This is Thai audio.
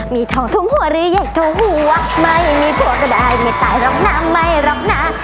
มีทองทุ่มหัวหรือใหญ่ทองหัวไม่มีผัวก็ได้ไม่ตายรอบหน้าไม่รอบหน้า